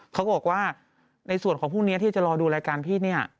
เขาบอกว่าในส่วนของพรุ่งนี้ที่จะรอดูรายการพี่เนี่ย